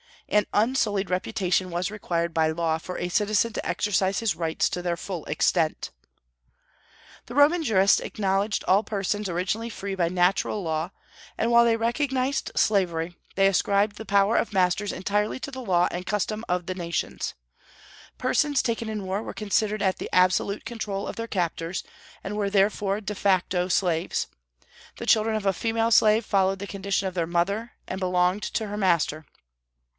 An unsullied reputation was required by law for a citizen to exercise his rights to their full extent. The Roman jurists acknowledged all persons originally free by natural law; and while they recognized slavery, they ascribed the power of masters entirely to the law and custom of nations. Persons taken in war were considered at the absolute control of their captors, and were therefore, de facto, slaves; the children of a female slave followed the condition of their mother, and belonged to her master.